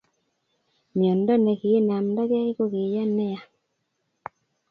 Myondo nekinamdakee kokiyaa nea